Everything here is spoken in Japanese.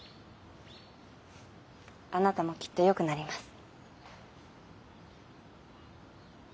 あなたもきっとよくなります。